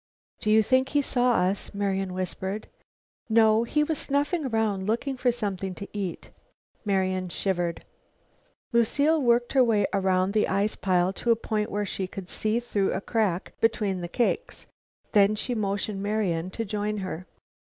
"Do you think he saw us?" Marian whispered. "No. He was snuffing around looking for something to eat." Marian shivered. Lucile worked her way about the ice pile to a point where she could see through a crack between cakes, then she motioned Marian to join her.